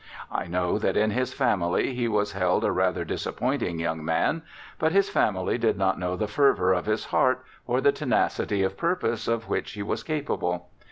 I know that in his family he was held a rather disappointing young man; but his family did not know the fervour of his heart, or the tenacity of purpose of which he was capable.